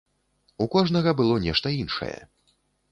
У кожнага было нешта іншае.